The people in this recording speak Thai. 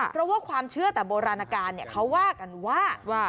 เพราะว่าความเชื่อแต่โบราณการเขาว่ากันว่า